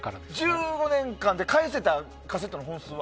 １５年間で返せたカセットの本数は？